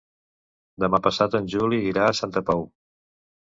Demà passat en Juli irà a Santa Pau.